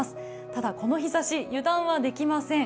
ただ、この日ざし、油断はできません。